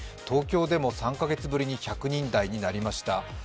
東京でも３カ月ぶりに１００人台になりました。